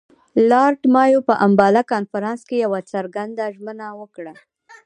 لارډ مایو په امباله کنفرانس کې یوه څرګنده ژمنه وکړه.